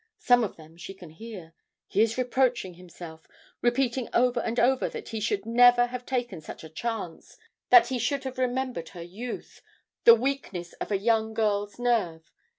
Some of them she can hear. He is reproaching himself repeating over and over that he should never have taken such a chance; that he should have remembered her youth the weakness of a young girl's nerve.